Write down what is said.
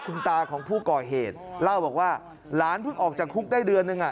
คุณตาของผู้ก่อเหตุเล่าบอกว่าหลานเพิ่งออกจากคุกได้เดือนนึงอ่ะ